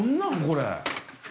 これ。